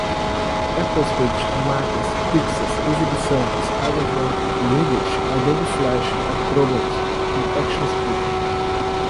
applescript, macros, pixels, exibição, spidermonkey, widget, adobe flash, acrobrat, actionscript